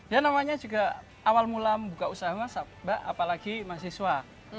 ya namanya juga awal mula membuka usaha mbak apalagi mahasiswa